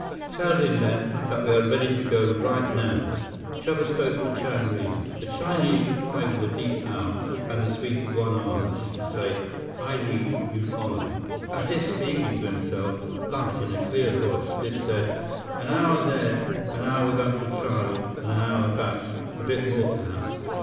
143 "Tell him, then, that we are ready to go right now." Chuba spoke to Chan Li. The Chinese replied with a deep bow, and the sweep of one arm, as if to say, "I lead. You follow." As if speaking to himself, but in a clear voice, Biff said, "An hour there, an hour with Uncle Charlie, and an hour back—a bit more, perhaps.